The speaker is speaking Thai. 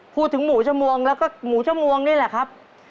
หมูชมวงแล้วก็หมูชมวงนี่แหละครับ